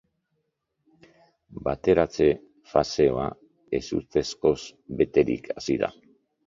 Bateratze fasea ezustekoz beterik hasi da.